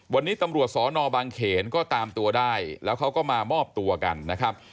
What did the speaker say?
วันนี้ตำรวจสอนอบางเขนก็ตามตัวได้แล้วเขาก็มามอบตัวกันนะครับ